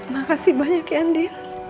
makasih banyak ya andi